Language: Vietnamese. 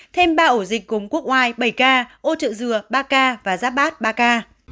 thêm ba ổ dịch gồm quốc ngoài bảy ca ô trợ dừa ba ca và giáp bát ba ca